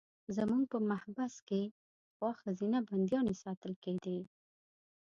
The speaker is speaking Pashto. زموږ په محبس کې پخوا ښځینه بندیانې ساتل کېدې.